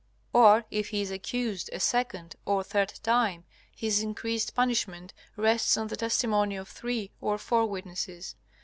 Or if he is accused a second or third time, his increased punishment rests on the testimony of three or two witnesses.